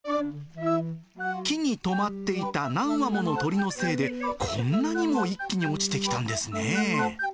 木に止まっていた何羽もの鳥のせいで、こんなにも一気に落ちてきたんですね。